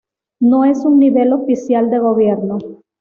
No es un nivel oficial de gobierno.